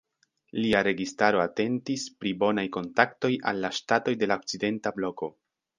Lia registaro atentis pri bonaj kontaktoj al la ŝtatoj de la okcidenta bloko.